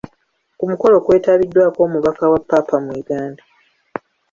Ku mukolo kwetabiddwako omubaka wa Ppaapa mu Uganda.